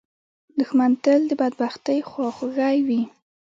دښمن تل د بدبختۍ خواخوږی وي